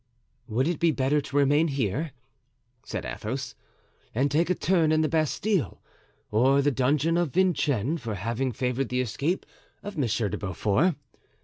"Would it be better to remain here," said Athos, "and take a turn in the Bastile or the dungeon of Vincennes for having favored the escape of Monsieur de Beaufort?